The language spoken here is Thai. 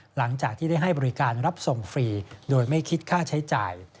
หลังจากที่ได้ให้บริการรับส่งฟรีโดยไม่คิดค่าใช้จ่าย